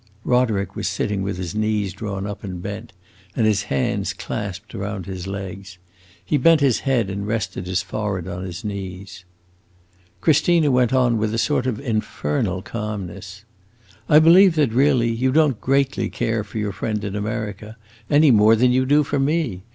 Roderick was sitting with his knees drawn up and bent, and his hands clapsed around his legs. He bent his head and rested his forehead on his knees. Christina went on with a sort of infernal calmness: "I believe that, really, you don't greatly care for your friend in America any more than you do for me.